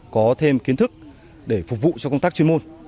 có thêm kiến thức để phục vụ cho công tác chuyên môn